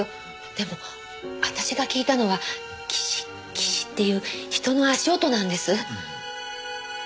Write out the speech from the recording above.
でも私が聞いたのはギシッギシッていう人の足音なんです。